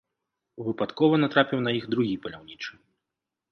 Выпадкова натрапіў на іх другі паляўнічы.